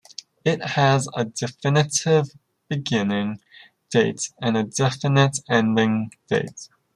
It has a definite beginning date and a definite ending date.